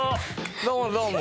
どうもどうも。